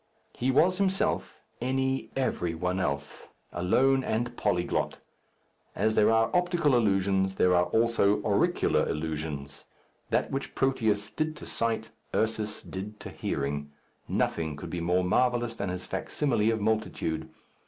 He was himself, any, every one else. Alone, and polyglot. As there are optical illusions, there are also auricular illusions. That which Proteus did to sight Ursus did to hearing. Nothing could be more marvellous than his facsimile of multitude.